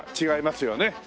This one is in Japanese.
違いますよね。